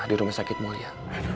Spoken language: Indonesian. di rumah sakitmu ya